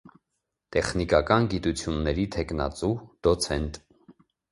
Տեխնիկական գիտությունների թեկնածու, դոցենտ։